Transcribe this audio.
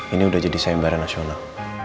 ini udah jadi sayembaran nasional